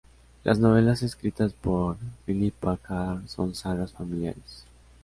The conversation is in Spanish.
Los novelas escritas por Philippa Carr son sagas familiares.